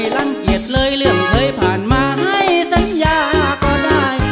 รังเกียจเลยเรื่องเคยผ่านมาให้สัญญาก็ได้